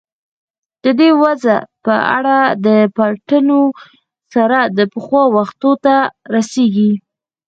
د دې وضع په اړه د پلټنو سر د پخوا وختونو ته رسېږي.